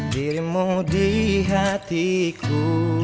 dirimu di hatiku